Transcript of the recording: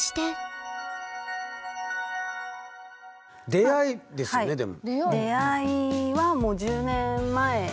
出会いですよねでも。